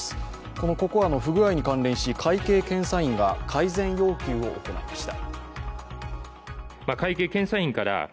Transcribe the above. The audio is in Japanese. このＣＯＣＯＡの不具合に関連し、会計検査院が改善要求を行いました。